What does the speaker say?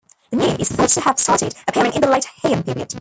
The nue is thought to have started appearing in the late Heian period.